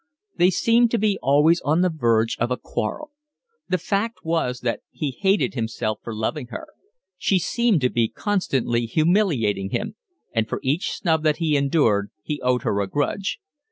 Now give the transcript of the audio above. They seemed to be always on the verge of a quarrel. The fact was that he hated himself for loving her. She seemed to be constantly humiliating him, and for each snub that he endured he owed her a grudge.